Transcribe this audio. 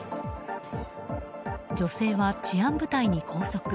女性は治安部隊に拘束。